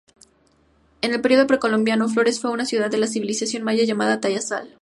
En el periodo Precolombino, Flores fue una ciudad de la civilización Maya llamada Tayasal.